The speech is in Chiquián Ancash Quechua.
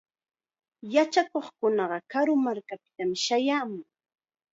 Yachakuqkunaqa karu markakunapitam shayaamun.